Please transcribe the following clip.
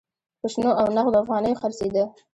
په شنو او نغدو افغانیو خرڅېده.